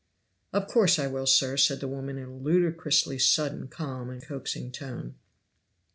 "Of course I will, sir," said the woman with a ludicrously sudden calm and coaxing tone.